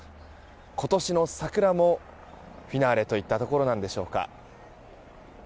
今年の桜も、フィナーレといったところなんでしょうか。